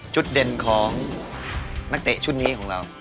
จุดเด่นของนักเตะชุดนี้ของเรา